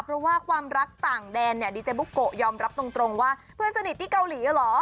เพราะว่าความรักต่างแดนเนี่ยดีเจบุโกะยอมรับตรงว่าเพื่อนสนิทที่เกาหลีเหรอ